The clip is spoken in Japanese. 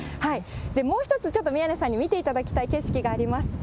もう一つちょっと宮根さんに見ていただきたい景色があります。